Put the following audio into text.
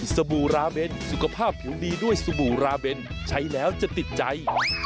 บู่ราเบนสุขภาพผิวดีด้วยสบู่ราเบนใช้แล้วจะติดใจ